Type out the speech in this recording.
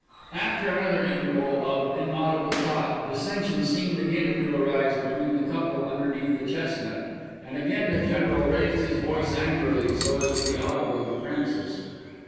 After another interval of inaudible talk, dissension seemed again to arise between the couple underneath the chestnut, and again the General raised his voice angrily so as to be audible to Francis.